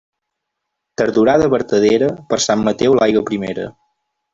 Tardorada vertadera, per Sant Mateu l'aigua primera.